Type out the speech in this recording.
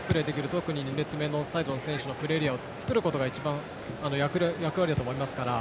特に２列目のサイドの選手のプレーエリアを作るのが一番の役割だと思いますから。